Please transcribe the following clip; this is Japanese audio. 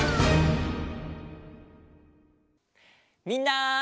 みんな！